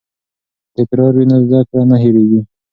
که تکرار وي نو زده کړه نه هېریږي.